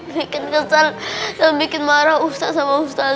bikin kesal dan bikin marah ustaz sama ustadz